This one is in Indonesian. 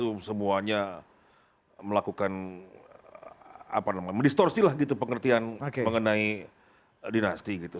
untuk semuanya melakukan apa namanya mendistorsi lah gitu pengertian mengenai dinasti gitu